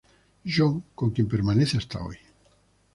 John, con quien permanece hasta hoy.